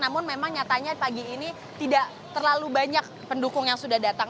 namun memang nyatanya pagi ini tidak terlalu banyak pendukung yang sudah datang